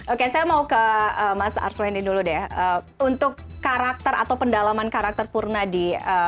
oke saya mau ke mas arswendi dulu deh untuk karakter atau pendalaman karakter purna di